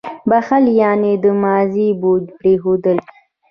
• بښل یعنې د ماضي بوج پرېښودل.